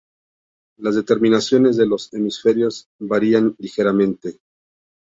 Las determinaciones de los hemisferios varían ligeramente.